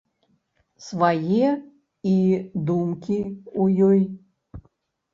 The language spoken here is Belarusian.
Свае і думкі ў ёй.